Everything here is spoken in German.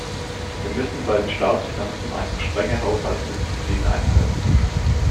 Wir müssen bei den Staatsfinanzen einfach strenge Haushaltsdisziplin einhalten.